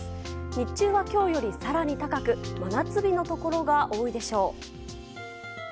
日中は今日より更に高く真夏日のところが多いでしょう。